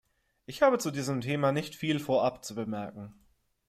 Ich habe zu diesem Thema nicht viel vorab zu bemerken.